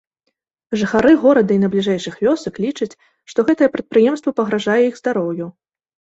Жыхары горада і найбліжэйшых вёсак лічаць, што гэтае прадпрыемства пагражае іх здароўю.